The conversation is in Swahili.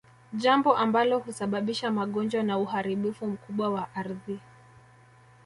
Jambo ambalo husababisha magonjwa na uharibifu mkubwa wa ardhi